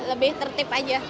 lebih tertib aja